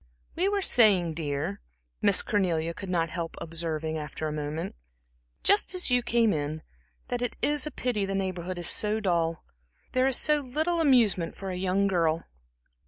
"We were saying, dear," Miss Cornelia could not help observing after a moment "just as you came in, that it is a pity the Neighborhood is so dull. There is so little amusement for a young girl."